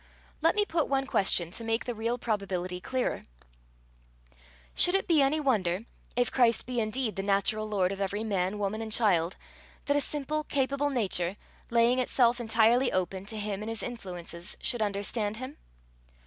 Let me put one question to make the real probability clearer. Should it be any wonder, if Christ be indeed the natural Lord of every man, woman, and child, that a simple, capable nature, laying itself entirely open to him and his influences, should understand him?